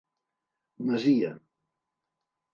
Masia.